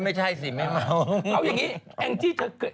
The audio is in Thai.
ไม่ใช่สิไม่เหมา